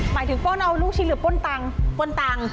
หมายถึงโป้นเอาลูกชิ้นหรือโป้นตัง